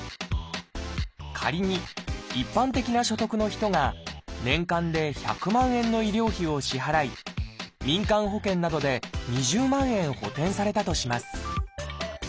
仮に一般的な所得の人が年間で１００万円の医療費を支払い民間保険などで２０万円補てんされたとします。